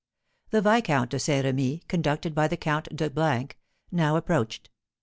The Viscount de Saint Remy, conducted by the Count de , now approached.